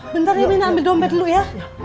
bentar ya mina ambil dompet dulu ya